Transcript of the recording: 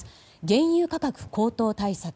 原油価格高騰対策